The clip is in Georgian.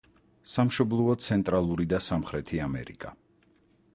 სამშობლოა ცენტრალური და სამხრეთი ამერიკა.